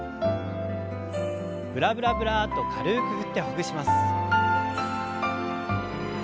ブラブラブラッと軽く振ってほぐします。